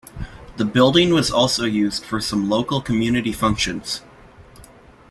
The building was also used for some local community functions.